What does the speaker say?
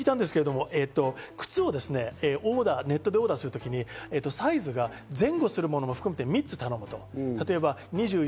人から聞いたんですけど、靴をネットでオーダーする時に、サイズが前後するものも含めて３つ頼むと。